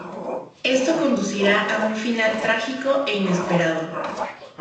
Esto conducirá a un final trágico e inesperado.